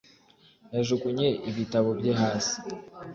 Yajugunye ibitabo bye hasi